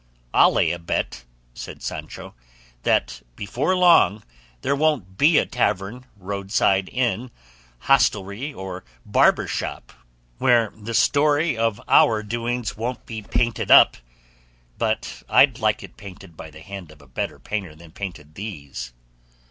"I'll lay a bet," said Sancho, "that before long there won't be a tavern, roadside inn, hostelry, or barber's shop where the story of our doings won't be painted up; but I'd like it painted by the hand of a better painter than painted these."